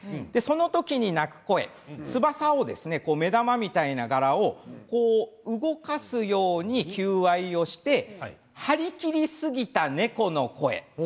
この時に鳴く声翼の目玉のような柄を動かすように求愛をして張り切りすぎた猫の声。